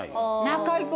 中居君